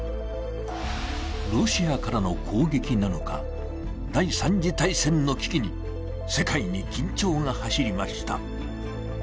ロシアからの攻撃なのか、第三次大戦の危機に世界に緊張が走りました。